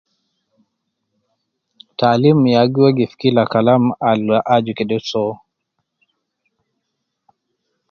Taalim ya giwegif killa kalam , al aju kede soowo